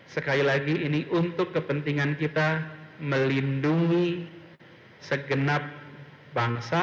sekali lagi ini untuk kepentingan kita melindungi segenap bangsa